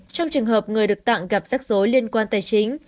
trong trường hợp người được tặng gặp rắc rối liên quan tài chính